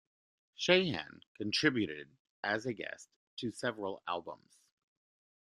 Sheahan contributed as a guest to several albums.